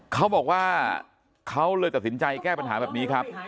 เขาบอกว่าเขาเลยตัดสินใจแก้ปัญหาแบบนี้ครับ